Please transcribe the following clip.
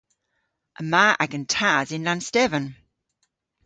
Yma agan tas yn Lannstevan.